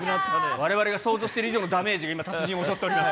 われわれが想像している以上のダメージが今、達人を襲っております。